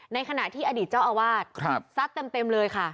ในขณะที่อดีตเจ้าอาวาสซัดเต็มเลยค่ะ